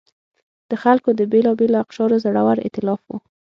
د خلکو د بېلابېلو اقشارو زړور اېتلاف و.